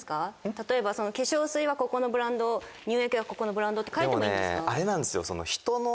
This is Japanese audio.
例えば化粧水はここのブランド乳液はここのブランドって変えてもいいんですか？